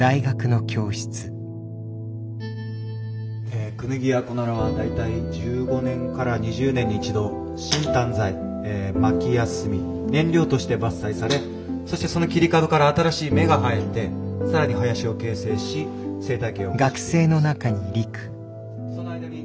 えクヌギやコナラは大体１５年から２０年に１度薪炭材薪や炭燃料として伐採されそしてその切り株から新しい芽が生えて更に林を形成し生態系を保持していきます。